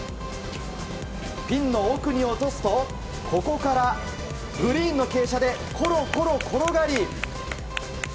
ピンの奥に落とすとここからグリーンの傾斜でコロコロ転がり。